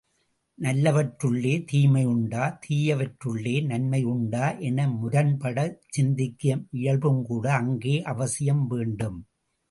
நல்லவற்றுள்ளே தீமையுண்டா, தீயவற்றுள்ளே நன்மை உண்டா என முரண்படச் சிந்திக்கும் இயல்பும்கூட அங்கே அவசியம் வேண்டும்.